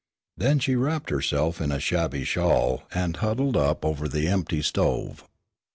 Then she wrapped herself in a shabby shawl and sat huddled up over the empty stove.